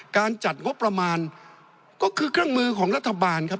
การจัดงบประมาณก็คือเครื่องมือของรัฐบาลครับ